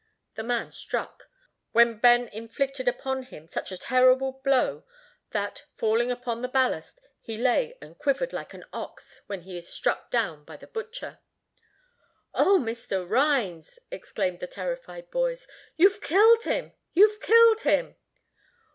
The man struck, when Ben inflicted upon him such a terrible blow, that, falling upon the ballast, he lay and quivered like an ox when he is struck down by the butcher. "O, Mr. Rhines," exclaimed the terrified boys, "you've killed him, you've killed him!"